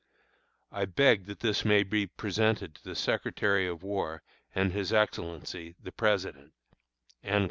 I beg that this may be presented to the Secretary of War, and his Excellency, the President."